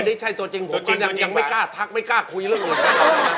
อันนี้ใช่ตัวจริงผมก็ยังไม่กล้าทักไม่กล้าคุยเรื่องนี้